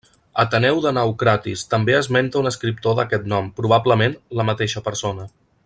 Ateneu de Naucratis també esmenta un escriptor d'aquest nom, probablement la mateixa persona.